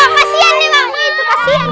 kasian nih mama itu kasian